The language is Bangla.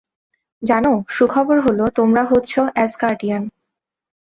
জানো, সুখবর হল তোমরা হচ্ছ অ্যাসগার্ডিয়ান।